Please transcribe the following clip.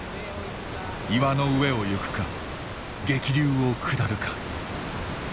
岩の上を行くか激流を下るか。